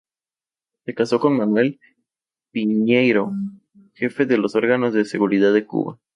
Se casó con Manuel Piñeiro, jefe de los órganos de seguridad de Cuba.